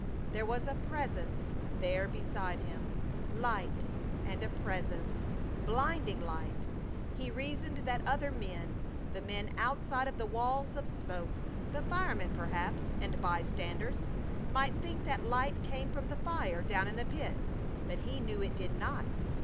There was a Presence there beside him. Light, and a Presence! Blinding light. He reasoned that other men, the men outside of the walls of smoke, the firemen perhaps, and by standers, might think that light came from the fire down in the pit, but he knew it did not.